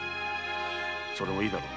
それもいいだろう。